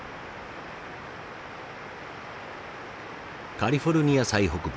カリフォルニア最北部。